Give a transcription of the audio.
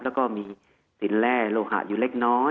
แล้วก็มีสินแร่โลหะอยู่เล็กน้อย